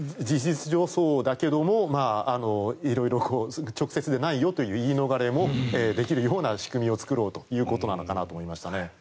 事実上そうだけども色々、直接じゃないよという言い逃れもできるような仕組みを作ろうということなのかなと思いましたね。